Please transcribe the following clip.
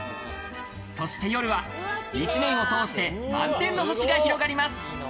そして夜は１年を通して満天の星が広がります。